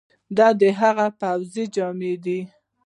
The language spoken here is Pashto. دا هغه پوځي جامي دي،